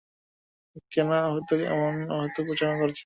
কেন অহেতুক এমন অহেতুক প্রচারণা করছেন?